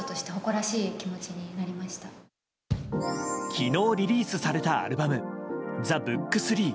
昨日、リリースされたアルバム「ＴＨＥＢＯＯＫ３」。